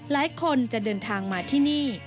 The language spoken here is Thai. หลายคนจะเดินทางมาที่นี่